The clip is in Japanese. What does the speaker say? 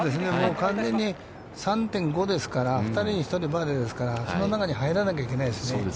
完全に３．５ですから、２人に１人がバーディーですからその中に入らないといけないですね。